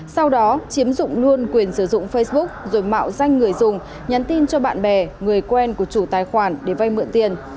sau đó chiếm dụng luôn quyền sử dụng facebook rồi mạo danh người dùng nhắn tin cho bạn bè người quen của chủ tài khoản để vay mượn tiền